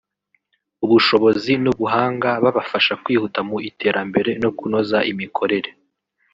ubushobozi n’ubuhanga babafasha kwihuta mu iterambere no kunoza imikorere